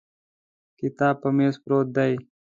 کتاب پر مېز پروت دی.